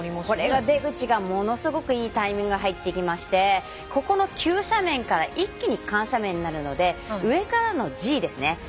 これが出口がものすごくいいタイミングで入っていきましてここの急斜面から一気に緩斜面になるので上からのＧですね。